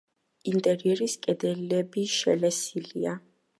ინტერიერის კედლები შელესილია.